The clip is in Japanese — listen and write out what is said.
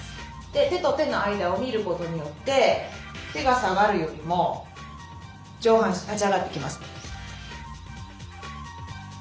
で手と手の間を見ることによって手が下がるよりも上半身立ち上がってきますので。